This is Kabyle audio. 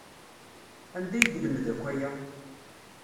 Anda ay yelmed akk aya?